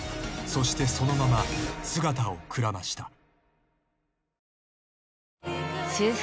［そしてそのまま姿をくらました］